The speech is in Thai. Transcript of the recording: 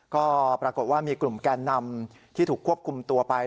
ก็ปรากฏว่ามีกลุ่มแกนนำที่ถูกควบคุมตัวไป